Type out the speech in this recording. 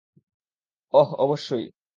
অহ, অবশ্যই।